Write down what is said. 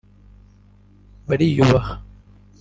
bariyubaha